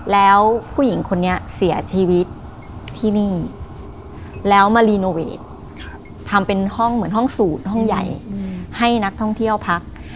แล้วผู้หญิงคนนี้เสียชีวิตที่นี่แล้วมารีโนเวททำเป็นห้องเหมือนห้องสูตรห้องใหญ่ให้นักท่องเที่ยวพัก